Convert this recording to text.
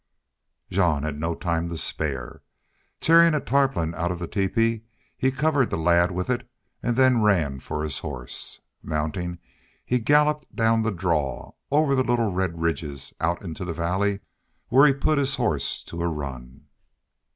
Jean had no time to spare. Tearing a tarpaulin out of the teepee he covered the lad with it and then ran for, his horse. Mounting, he galloped down the draw, over the little red ridges, out into the valley, where he put his horse to a run.